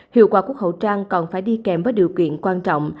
hiệu quả của hậu trang còn phải đi kèm với điều kiện quan trọng